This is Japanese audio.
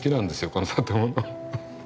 この建物。